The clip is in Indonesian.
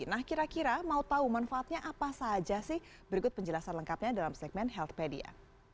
nah kira kira mau tahu manfaatnya apa saja sih berikut penjelasan lengkapnya dalam segmen healthpedia